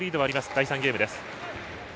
第３ゲームです。